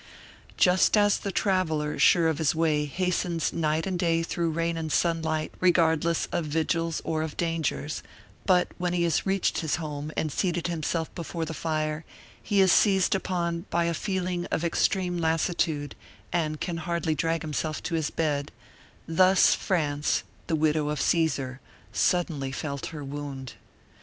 Just as the traveler, sure of his way, hastens night and day through rain and sunlight, regardless of vigils or of dangers; but when he has reached his home and seated himself before the fire, he is seized upon by a feeling of extreme lassitude and can hardly drag himself to his bed: thus France, the widow of Caesar, suddenly felt her wound.